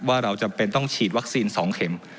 ว่าเราจำเป็นต้องฉีดวัคซีน๒เข็ม